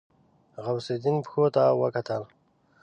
غوث الدين پښو ته وکتل.